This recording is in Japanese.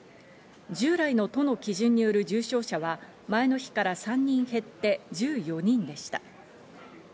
従来の都の基準による重症者は前の日から３人減って１４人でした。